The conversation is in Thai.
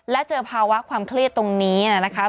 และเจอภาวะความเครียดตรงนี้นะคะ